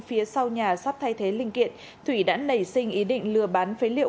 phía sau nhà sắp thay thế linh kiện thủy đã nảy sinh ý định lừa bán phế liệu